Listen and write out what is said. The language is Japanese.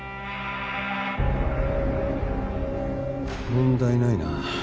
問題ないな。